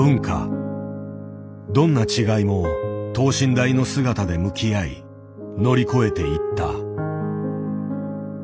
どんな違いも等身大の姿で向き合い乗り越えていった。